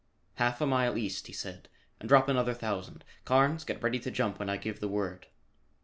"Half a mile east," he said, "and drop another thousand. Carnes, get ready to jump when I give the word."